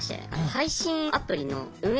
配信アプリの運営